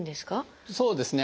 そうですね。